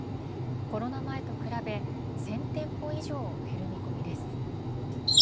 コロナ前と比べ１０００店舗以上減る見込みです。